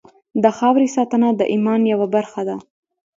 د خاورې ساتنه د ایمان یوه برخه ده.